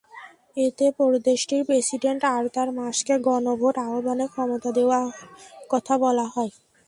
এতে প্রদেশটির president Artur মাসকে গণভোট আহ্বানের ক্ষমতা দেওয়ার কথা বলা হয়।